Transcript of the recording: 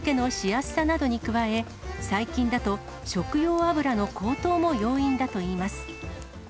後片づけのしやすさなどに加え、最近だと食用油の高騰も要因だといいます。